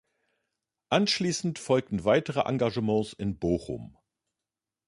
Anschließend folgten weitere Engagements in Bochum.